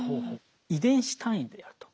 遺伝子単位であると。